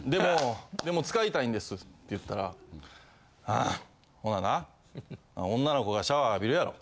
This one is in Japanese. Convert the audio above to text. でも使いたいんです」って言ったら「ああほなな女の子がシャワー浴びるやろ。